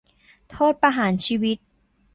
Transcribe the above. โทษประหารชีวิต